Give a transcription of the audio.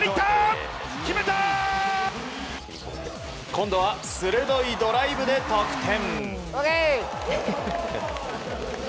今度は鋭いドライブで得点。